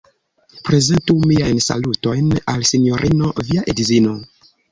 Prezentu miajn salutojn al Sinjorino via edzino!